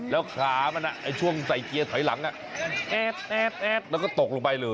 แล้วขามันช่วงใส่เกียร์ถอยหลังแอดแล้วก็ตกลงไปเลย